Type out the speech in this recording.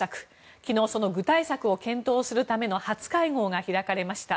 昨日、その具体策を検討するための初会合が開かれました。